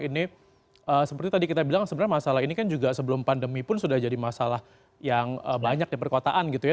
ini seperti tadi kita bilang sebenarnya masalah ini kan juga sebelum pandemi pun sudah jadi masalah yang banyak di perkotaan gitu ya